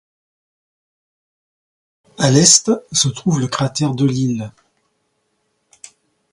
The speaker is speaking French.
À l'est, se trouve le cratère Delisle.